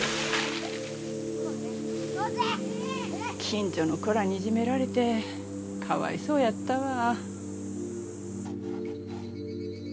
近所の子らにいじめられてかわいそうやったわ。